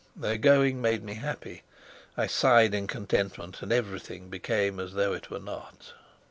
Their going made me happy; I sighed in contentment; and everything became as though it were not.